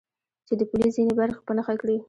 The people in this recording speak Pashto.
چې د پولې ځینې برخې په نښه کړي.